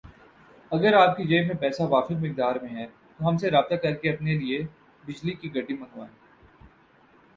اگر آپ کی جیب میں پیسہ وافر مقدار میں ھے تو ہم سے رابطہ کرکے اپنی لئے بجلی کی گڈی منگوائیں